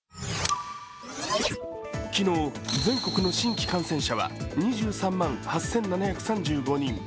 昨日、全国の新規感染者は２３万８７３５人。